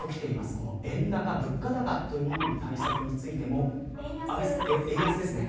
この円高物価高という対策についても円安ですね。